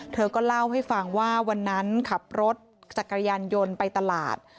เธอก็เล่าให้ฟังว่าวันนั้นขับรถจักรยานยนต์ไปตลาด